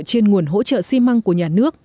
trên nguồn hỗ trợ xi măng của nhà nước